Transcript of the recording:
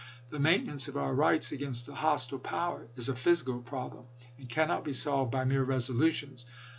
The maintenance of our rights against a hos tile power is a physical problem and cannot be solved by mere resolutions.